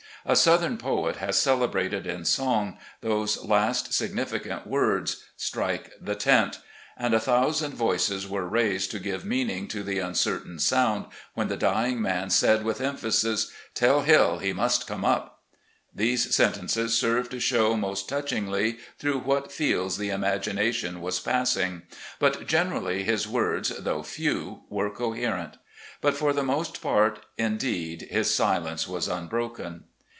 A southern poet has celebrated in song those last significant words, 'Strike the tent': and a thousand voices were raised to give meaning to the uncertain sound, when the dying man said, with emphasis, 'Tell Hill he must come up!' These sentences serve to show most touchingly through what fields the imagination was passing; but generally his words, though few, were coherent ; but for the most part, indeed, his silence was unbroken.